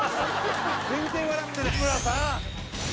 全然笑ってない日村さん！